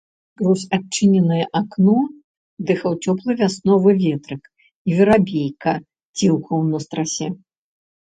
Скрозь адчыненае акно дыхаў цёплы вясновы ветрык, і верабейка ціўкаў на страсе.